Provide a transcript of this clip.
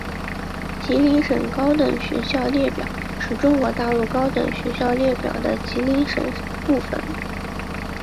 吉林省高等学校列表是中国大陆高等学校列表的吉林省部分。